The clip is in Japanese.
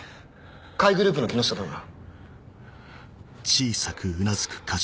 甲斐グループの木下だな？